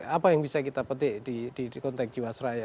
apa yang bisa kita petik di konteks jiwasraya